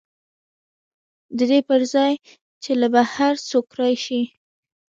د دې پر ځای چې له بهر څوک راشي